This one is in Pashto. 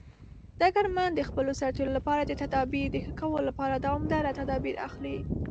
ډګرمن د خپلو سرتیرو لپاره د تدابیر د ښه کولو لپاره دوامداره تدابیر اخلي.